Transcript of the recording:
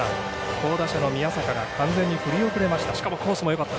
好打者の宮坂が完全に振り遅れました。